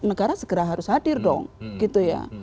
negara segera harus hadir dong gitu ya